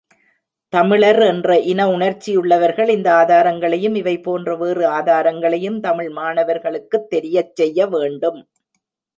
தமிழர் என்ற இன உணர்ச்சியுள்ளவர்கள் இந்த ஆதாரங்களையும் இவைபோன்ற வேறு ஆதாரங்களையும் தமிழ் மாணவர்கட்குத் தெரியச் செய்ய வேண்டும்.